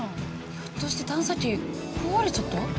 ひょっとして探査機壊れちゃった？